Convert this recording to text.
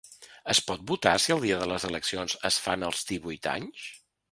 Es pot votar si el dia de les eleccions es fan els divuit anys?